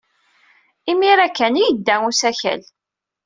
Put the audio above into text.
Imir-a kan ay yedda usakal.